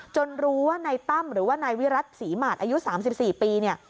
รู้ว่านายตั้มหรือว่านายวิรัติศรีหมาดอายุ๓๔ปีเนี่ย